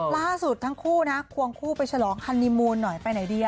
ล่าสุดทั้งคู่นะควงคู่ไปฉลองฮันลีมูลหน่อยไปไหนดี